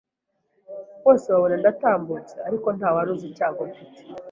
bose babona ndatambutse ariko nta waruzi icyago mfite